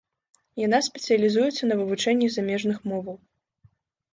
Яна спецыялізуецца на вывучэнні замежных моваў.